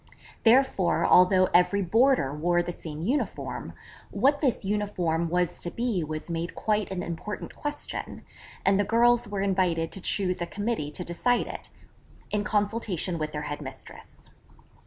Therefore although every boarder wore the same uniform, what this uniform was to be was made quite an important question: and the girls were invited to choose a committee to decide it, in consultation with their head mistress.